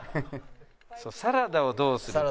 サラダをどうするか。